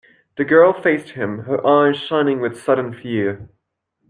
The girl faced him, her eyes shining with sudden fear.